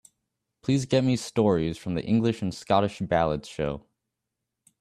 Please get me Stories from the English and Scottish Ballads show.